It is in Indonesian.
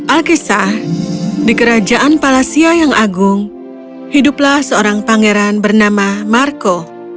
alkisah di kerajaan palasia yang agung hiduplah seorang pangeran bernama marco